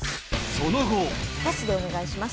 その後パスでお願いします